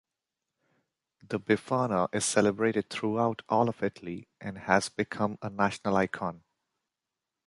The Befana is celebrated throughout all of Italy, and has become a national icon.